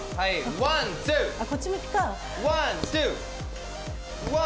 ワン・ツー！